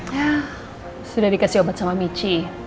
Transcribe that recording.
ya sudah dikasih obat sama michi